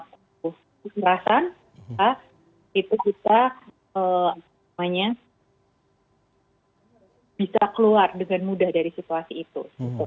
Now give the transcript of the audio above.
kita merasa itu bisa apa namanya bisa keluar dengan mudah dari situasi itu